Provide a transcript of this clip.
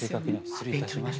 失礼いたしました。